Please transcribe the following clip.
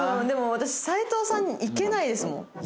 でも私斉藤さんにいけないですもん。